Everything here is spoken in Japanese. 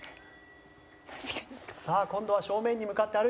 さあ今度は正面に向かって歩いてくる。